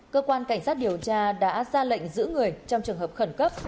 cơ quan cảnh sát điều tra đã ra lệnh giữ người trong trường hợp khẩn cấp